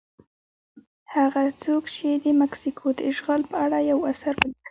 هغه څوک چې د مکسیکو د اشغال په اړه یو اثر ولیکه.